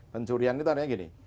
pencurian itu adanya gini